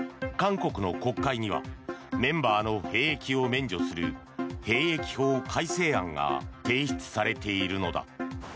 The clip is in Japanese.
韓国の国会にはメンバーの兵役を免除する兵役法改正案が提出されているのだ。